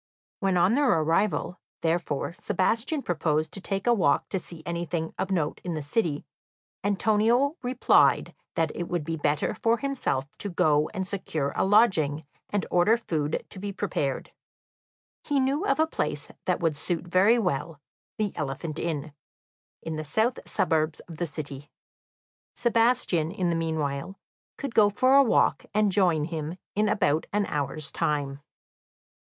When on their arrival, therefore, Sebastian proposed to take a walk to see anything of note in the city, Antonio replied that it would be better for himself to go and secure a lodging, and order food to be prepared; he knew of a place that would suit very well, the Elephant Inn, in the south suburbs of the city. Sebastian in the meanwhile could go for a walk, and join him in about an hour's time.